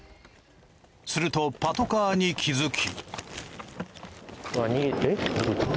するとパトカーに気付き。